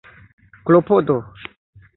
klopodo